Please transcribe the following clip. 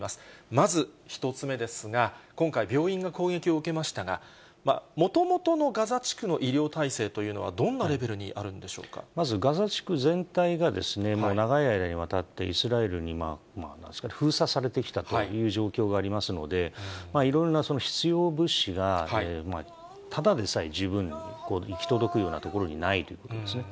まず１つ目ですが、今回、病院が攻撃を受けましたが、もともとのガザ地区の医療体制というのはどんなレベルにあるんでまずガザ地区全体が、もう長い間にわたって、イスラエルに封鎖されてきたという状況がありますので、いろいろなその必要物資が、ただでさえ十分行き届くような所にないということですね。